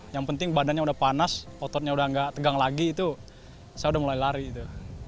yang penting badannya udah panas ototnya udah gak tegang lagi itu saya udah mulai lari itu